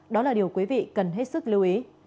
đó là điều quý vị cần hết sức lưu ý